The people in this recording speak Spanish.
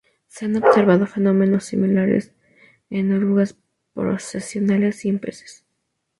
Se han observado fenómenos similares en orugas procesionales y en peces.